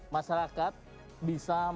masyarakat bisa menikmati hasil olahraga